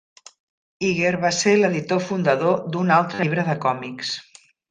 Iger va ser l'editor fundador d'un altre llibre de còmics.